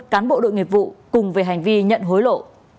cán bộ đội nghiệp vụ cùng về hành vi nhận hối lộ